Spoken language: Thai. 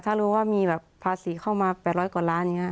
ถ้ารู้ว่ามีแบบภาษีเข้ามา๘๐๐กว่าล้านอย่างนี้